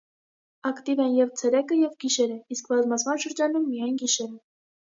Ակտիվ են և՛ ցերեկը, և՝ գիշերը, իսկ բազմացման շրջանում՝ միայն գիշերը։